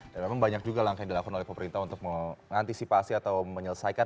dan memang banyak juga langkah yang dilakukan oleh pemerintah untuk mengantisipasi atau menyelesaikan